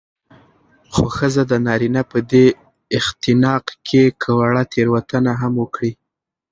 خو ښځه د نارينه په دې اختناق کې که وړه تېروتنه هم وکړي